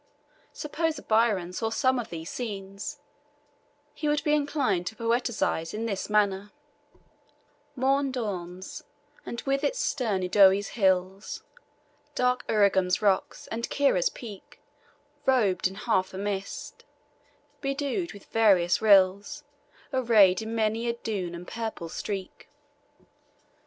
Suppose a Byron saw some of these scenes, he would be inclined to poetize in this manner: Morn dawns, and with it stern Udoe's hills, Dark Urrugum's rocks, and Kira's peak, Robed half in mist, bedewed with various rills, Arrayed in many a dun and purple streak.